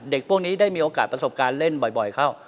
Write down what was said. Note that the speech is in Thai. พวกนี้ได้มีโอกาสประสบการณ์เล่นบ่อยเข้า